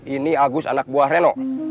ini agus anak buah reno